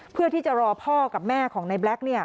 เพื่อที่จะรอพ่อกับแม่ของในแบล็ค